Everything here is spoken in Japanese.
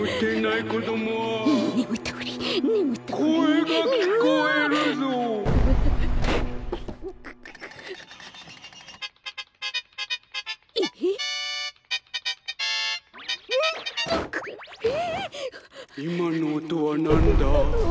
・いまのおとはなんだ？